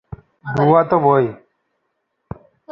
তোমাকে খুন করা এখন আমাদের কাছে একদম সোজা কাজ।